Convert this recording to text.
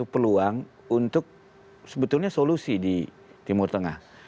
peluang untuk sebetulnya solusi di timur tengah